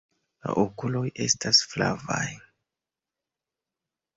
La okuloj estas flavaj.